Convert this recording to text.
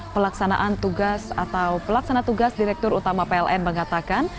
pelaksanaan tugas atau pelaksana tugas direktur utama pln mengatakan